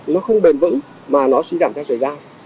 nó không bền vững mà suy giảm theo thời gian